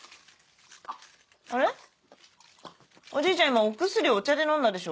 今お薬お茶で飲んだでしょ？